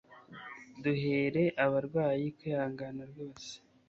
duhere abarwayi kwihangana rwose